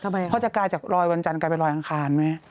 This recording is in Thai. เพราะจะกลายจากรอยวันจันทร์กลายเป็นรอยอังคารไหม